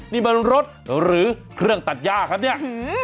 นี่มันรถหรือเครื่องตัดย่าครับเนี่ย